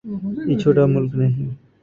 یہ چھوٹا ملک نہیں۔